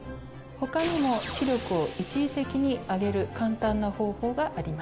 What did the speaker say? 他にも視力を一時的に上げる簡単な方法があります。